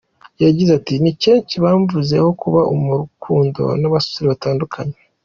Yagize ati “Ni kenshi bamvuzeho kuba mu rukundo n’abasore batandukanye.